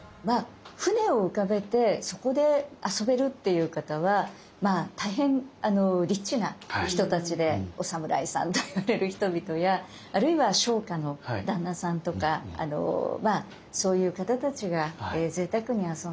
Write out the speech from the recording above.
船を浮かべてそこで遊べるっていう方は大変リッチな人たちでお侍さんと言われる人々やあるいは商家の旦那さんとかそういう方たちがぜいたくに遊んでる。